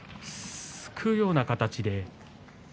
すくうような形ですね。